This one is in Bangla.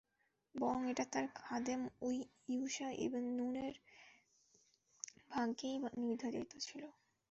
বরং এটা তাঁর খাদেম ইউশা ইবন নূনের ভাগ্যেই নির্ধারিত ছিল।